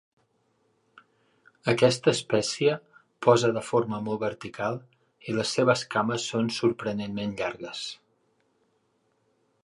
Aquesta espècie posa de forma molt vertical i les seves cames són sorprenentment llargues.